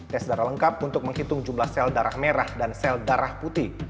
tes darah lengkap untuk menghitung jumlah sel darah merah dan sel darah putih